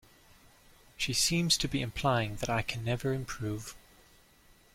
She seems to be implying that I can never improve.